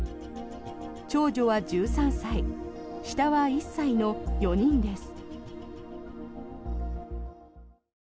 長女は１３歳下は１歳の４人です。